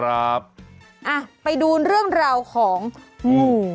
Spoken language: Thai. ครับอ่ะไปดูเรื่องราวของงู